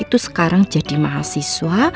itu sekarang jadi mahasiswa